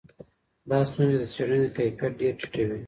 دا ستونزي د څېړني کیفیت ډېر ټیټوي.